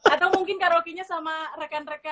atau mungkin karaoke nya sama rekan rekan